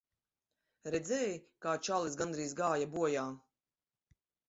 Redzēji, kā čalis gandrīz gāja bojā.